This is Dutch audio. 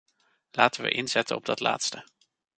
Laten we inzetten op dat laatste.